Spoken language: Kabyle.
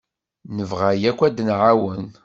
Nebɣa akk ad d-nɛawen.